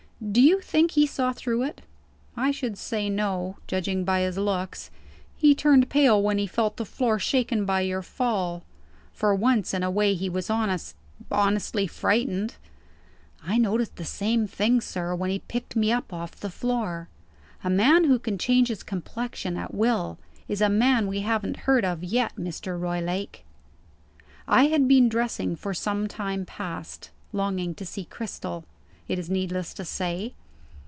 "Do you think he saw through it? I should say, No; judging by his looks. He turned pale when he felt the floor shaken by your fall. For once in a way, he was honest honestly frightened." "I noticed the same thing, sir, when he picked me up, off the floor. A man who can change his complexion, at will, is a man we hav'n't heard of yet, Mr. Roylake." I had been dressing for some time past; longing to see Cristel, it is needless to say.